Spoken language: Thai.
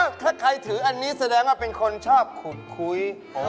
ถ้าใครถืออันนี้แสดงว่าเป็นคนชอบขุดคุย